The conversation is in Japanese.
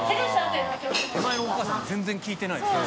手前のお母さん全然聞いてないですけど。